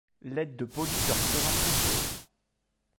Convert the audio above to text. L'aide de Poly leur sera précieuse.